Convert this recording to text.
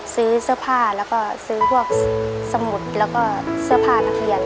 ซื้อเสื้อผ้าแล้วก็ซื้อพวกสมุดแล้วก็เสื้อผ้านักเรียน